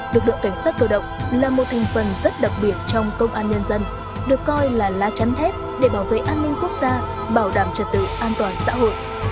lực lượng cảnh sát cơ động là một thành phần rất đặc biệt trong công an nhân dân được coi là lá chắn thép để bảo vệ an ninh quốc gia bảo đảm trật tự an toàn xã hội